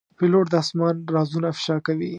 پیلوټ د آسمان رازونه افشا کوي.